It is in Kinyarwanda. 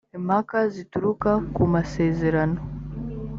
impaka zituruka ku masezerano.